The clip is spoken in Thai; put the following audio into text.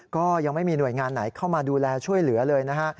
ก็ยังไม่มีหน่วยงานไหนเข้ามาดูแลช่วยเหลือเลยนะฮะ